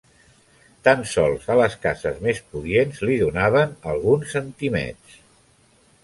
Tan sols a les cases més pudients li donaven alguns centimets.